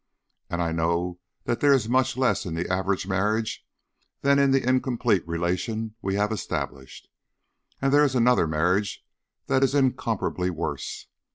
And I know that there is much less in the average marriage than in the incomplete relation we have established. And there is another marriage that is incomparably worse.